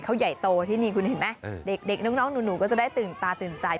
เขาใหญ่โตที่นี่คุณเห็นไหมเด็กน้องหนูก็จะได้ตื่นตาตื่นใจ